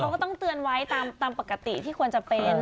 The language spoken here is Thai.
เขาก็ต้องเตือนไว้ตามปกติที่ควรจะเป็น